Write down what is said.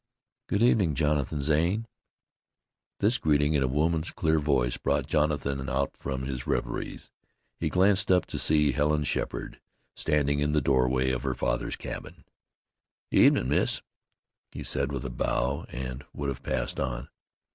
"Good evening, Jonathan Zane." This greeting in a woman's clear voice brought Jonathan out from his reveries. He glanced up to see Helen Sheppard standing in the doorway of her father's cabin. "Evenin', miss," he said with a bow, and would have passed on.